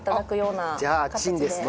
じゃあチンですね。